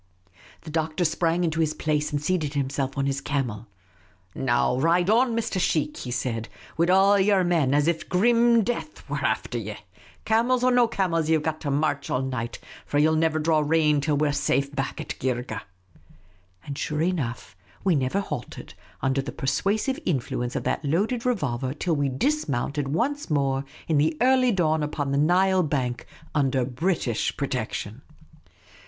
The Doctor sprang into his place and seated himself on his camel. " Now ride on, Mr. Sheikh," he said, " wid all yer men, as if grim death was afther ye. Camels or no camels, ye 've got to march all night, for ye '11 never draw rein till we 're safe back at Geergeh !" And sure enough v^^e never halted, under the persuasive influence of that loaded revolver, till we dismounted once more in the early dawn upon the Nile bank, under British protection.